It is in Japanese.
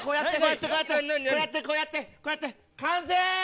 こうやってこうやって完成！